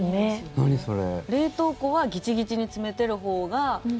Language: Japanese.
冷凍庫はギチギチに詰めてるほうが。